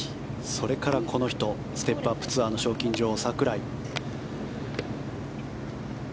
それからこの人ステップ・アップ・ツアーの賞金女王、櫻井。